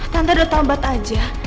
tante udah tahu bat aja